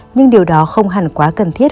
nhưng điều đó không hẳn quá cần thiết